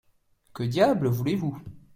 Que diable voulez-vous ?